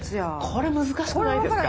これ難しくないですか？